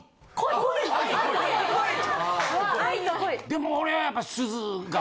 でも俺はやっぱりすずが。